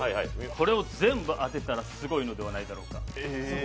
これを全部当てたらすごいのではないだろうか。